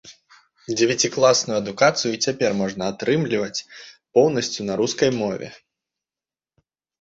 Дзевяцікласную адукацыю і цяпер можна атрымліваць поўнасцю на рускай мове.